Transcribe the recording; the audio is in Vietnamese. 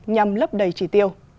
nhằm lấp đầy trí tiêu